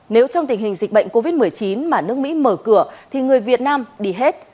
nếu trong tình hình dịch bệnh covid một mươi chín mà nước mỹ mở cửa thì người việt nam đi hết